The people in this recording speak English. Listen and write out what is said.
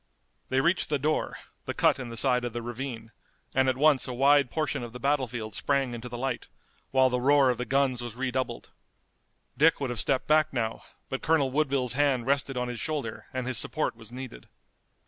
They reached the door, the cut in the side of the ravine, and at once a wide portion of the battlefield sprang into the light, while the roar of the guns was redoubled. Dick would have stepped back now, but Colonel Woodville's hand rested on his shoulder and his support was needed.